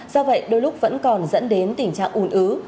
do vậy đôi lúc vẫn còn dẫn đến tình trạng ủn ứ